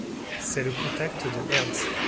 C'est le contact de Hertz.